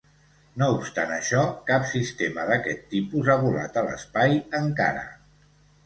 No obstant això, cap sistema d'aquest tipus ha volat a l'espai encara.